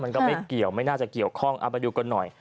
ก็ไม่เกี่ยวไม่น่าจะเกี่ยวข้องเอาไปดูกันหน่อย